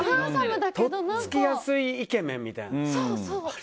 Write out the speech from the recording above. とっつきやすいイケメンみたいな。